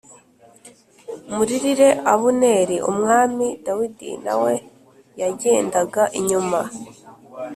muririre Abuneri Umwami Dawidi na we yagendaga inyuma